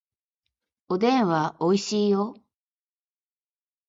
おでんはおいしいよ